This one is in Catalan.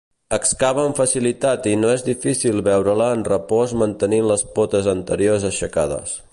Excava amb facilitat i no és difícil veure-la en repòs mantenint les potes anteriors aixecades.